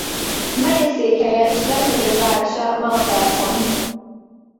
Megyeszékhelye és legnagyobb városa Mount Vernon.